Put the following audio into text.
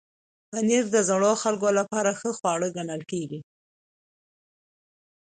پنېر د زړو خلکو لپاره ښه خواړه ګڼل کېږي.